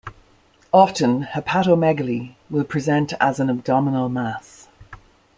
Often, hepatomegaly will present as an abdominal mass.